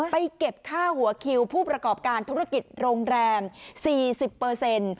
เก็บค่าหัวคิวผู้ประกอบการธุรกิจโรงแรม๔๐เปอร์เซ็นต์